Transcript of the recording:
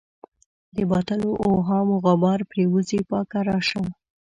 د باطلو اوهامو غبار پرېوځي پاکه راشه.